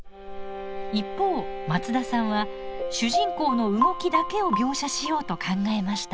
一方松田さんは主人公の動きだけを描写しようと考えました。